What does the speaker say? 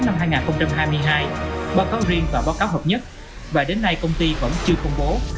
năm hai nghìn hai mươi hai báo cáo riêng và báo cáo hợp nhất và đến nay công ty vẫn chưa công bố